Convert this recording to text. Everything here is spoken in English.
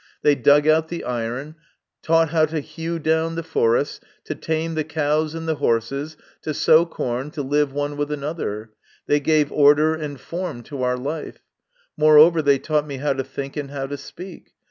They dug out the iron, taught how to hew down the forests, to tame the cows and the horses, to sow corn, to live one with another ; they gave order and form to our life ; moreover, they taught me how to think and how to speak.